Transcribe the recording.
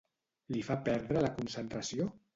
Li fa perdre la concentració?